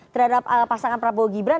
terhadap pasangan prabowo gibran